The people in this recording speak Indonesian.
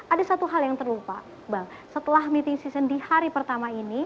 ada satu hal yang terlupa iqbal setelah meeting season di hari pertama ini